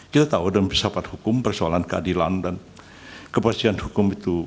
kita tahu dan bersafat hukum persoalan keadilan dan kepastian hukum itu